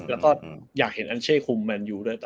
แล้วก็อยากเห็นอัญเช่คุมแมนยูด้วย